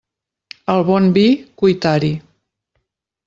Al bon vi, cuitar-hi.